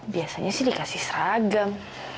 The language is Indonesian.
biasanya sih dikasih seragam